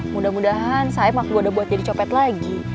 mudah mudahan saeb aku udah buat jadi copet lagi